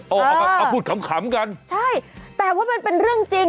เออเอาพูดขำกันใช่แต่ว่าเป็นเรื่องจริง